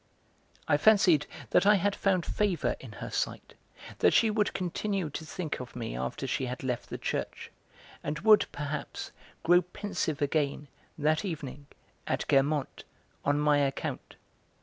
I fancied that I had found favour in her sight, that she would continue to think of me after she had left the church, and would, perhaps, grow pensive again, that evening, at Guermantes, on my account.